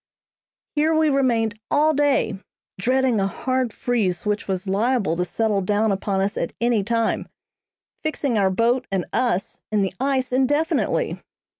Here we remained all day, dreading a hard freeze which was liable to settle down upon us at any time, fixing our boat and us in the ice indefinitely.